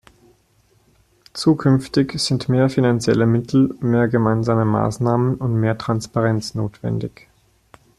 Zukünftig sind mehr finanzielle Mittel, mehr gemeinsame Maßnahmen und mehr Transparenz notwendig.